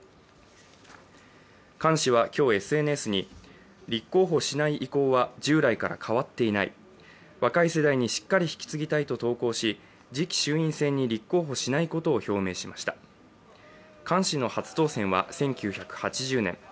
菅氏は今日、ＳＮＳに立候補しない意向は従来から変わっていない、若い世代にしっかり引き継ぎたいと投稿し次期衆院選に立候補しないことを表明しました菅氏の初当選は１９８０年。